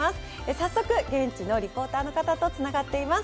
早速、現地のリポーターの方とつながっています。